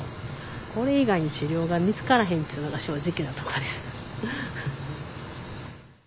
これ以外に治療が見つからへんっていうのが正直なところです。